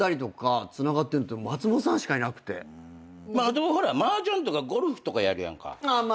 でもマージャンとかゴルフとかやるやんか。